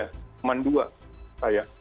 cuman dua kayak